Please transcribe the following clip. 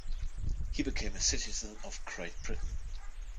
He became a citizen of Great Britain.